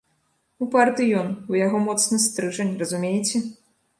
Упарты ён, у яго моцны стрыжань, разумееце.